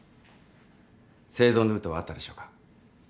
生存ルートはあったでしょうか？